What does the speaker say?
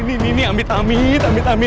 bener abado mempunyai